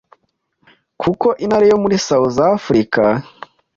Kuko intare yo muri south africa